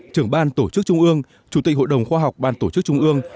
trưởng ban tổ chức trung ương chủ tịch hội đồng khoa học ban tổ chức trung ương